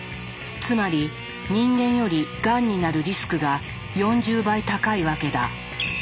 つまり人間よりがんになるリスクが４０倍高いわけだ。